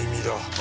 あ！